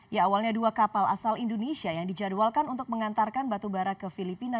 ya awalnya dua kapal asal indonesia yang dijadwalkan untuk mengantarkan batubara ke filipina